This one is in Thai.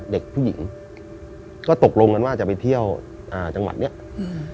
เด็กผู้หญิงก็ตกลงกันว่าจะไปเที่ยวอ่าจังหวัดเนี้ยอืม